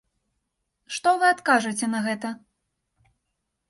Што вы адкажаце на гэта?